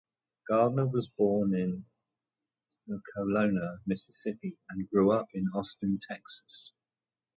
Gardner was born in Okolona, Mississippi, and grew up in Austin, Texas.